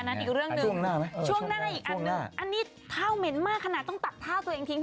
อีกเรื่องหนึ่งช่วงหน้าอีกอันนึงอันนี้ข้าวเหม็นมากขนาดต้องตักผ้าตัวเองทิ้ง